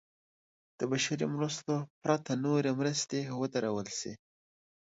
د بشري مرستو پرته نورې مرستې ودرول شي.